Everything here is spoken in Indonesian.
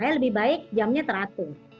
lebih baik jamnya teratur